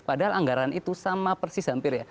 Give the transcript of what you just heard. padahal anggaran itu sama persis hampir ya